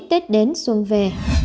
tết đến xuân về